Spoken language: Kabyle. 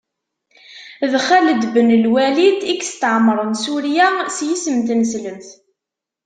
D Xaled Ben Lwalid i yestɛemren Surya s yisem n tneslemt.